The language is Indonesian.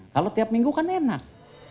kalau tiap minggu kan enak